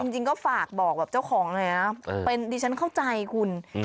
จริงก็ฝากบอกแบบเจ้าของเลยนะดิฉันเข้าใจคุณ